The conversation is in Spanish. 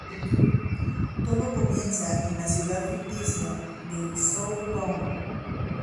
Todo comienza en la ciudad ficticia de South Town.